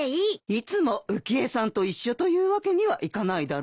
いつも浮江さんと一緒というわけにはいかないだろ。